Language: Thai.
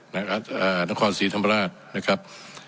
นะครับนครศรีธรรมราชนะครับ